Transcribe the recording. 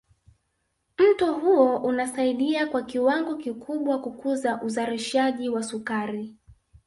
Mto huu unasaidia kwa kiwango kikubwa kukuza uzalishaji wa sukari